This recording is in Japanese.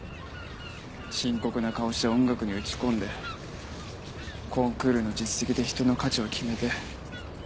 深刻な顔して音楽に打ち込んでコンクールの実績で人の価値を決めて。